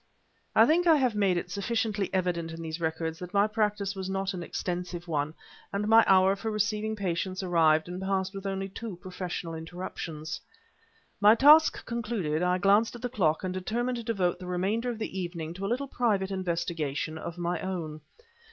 I think I have made it sufficiently evident in these records that my practice was not an extensive one, and my hour for receiving patients arrived and passed with only two professional interruptions. My task concluded, I glanced at the clock, and determined to devote the remainder of the evening to a little private investigation of my own.